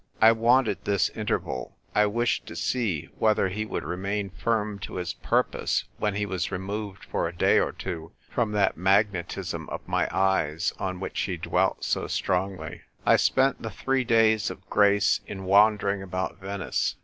I wanted this interval ; I wished to see whether he would remain firm to his purpose when he was removed for a day or two from that " magnetism " of my eyes on which he dwelt so strongly. 224 '"l : TVPE WKITKK GIKL. I spent the three days of grace in wander ing about Venice.